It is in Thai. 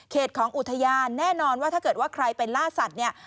ของอุทยานแน่นอนว่าถ้าเกิดว่าใครไปล่าสัตว์เนี่ย